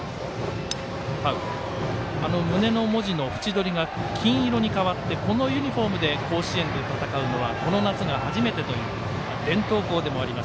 胸の文字の縁取りが金色に変わってこのユニフォームで甲子園で戦うのはこの夏が初めてという伝統校でもあります